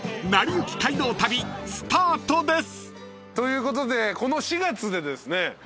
［『なりゆき街道旅』スタートです］ということでこの４月でですね